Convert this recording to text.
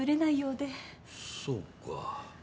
そうか。